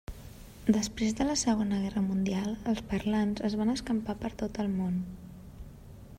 Després de la Segona Guerra Mundial, els parlants es van escampar per tot el món.